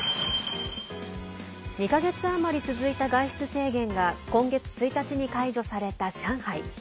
２か月余り続いた外出制限が今月１日に解除された上海。